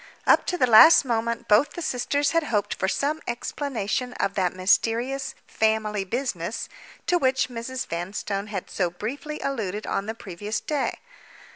Up to the last moment, both the sisters had hoped for some explanation of that mysterious "family business" to which Mrs. Vanstone had so briefly alluded on the previous day.